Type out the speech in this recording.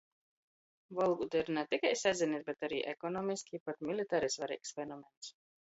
Volūda ir na tikai sazinis, bet ari ekonomiski i pat militari svareigs fenomens.